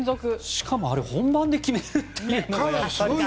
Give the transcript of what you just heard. しかも本番で決めるというね。